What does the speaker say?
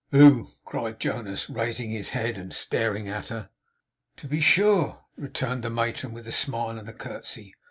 'Who?' cried Jonas, raising his head, and staring at her. 'To be sure!' returned the matron with a smile and a curtsey.